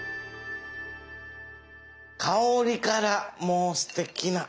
香りからもうすてきな。